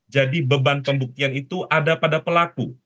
jadi beban pembuktian itu ada pada pelaku